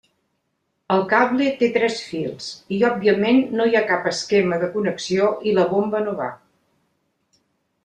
El cable té tres fils i òbviament no hi ha cap esquema de connexió i la bomba no va.